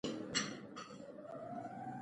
هېڅکله یوه ډېره اوږده موده ده